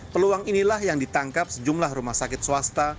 peluang inilah yang ditangkap sejumlah rumah sakit swasta